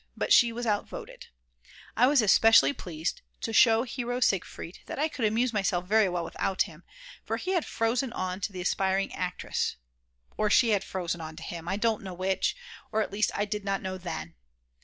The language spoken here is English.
But she was outvoted. I was especially pleased to show Hero Siegfried that I could amuse myself very well without him, for he had frozen on to the aspiring actress, or she had frozen on to him I don't know which, or at least I did not know _then!